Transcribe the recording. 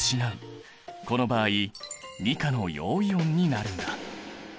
この場合２価の陽イオンになるんだ。